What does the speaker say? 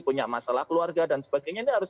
punya masalah keluarga dan sebagainya ini harus